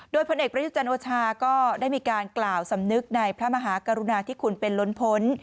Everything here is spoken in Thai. โดยพลเอกประยุจันทร์โอชาก็ได้มีการกล่าวสำนึกในพระมหากรุณาที่คุณเป็นล้นพ้น